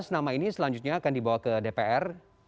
lima belas nama ini selanjutnya akan dibawa ke dpr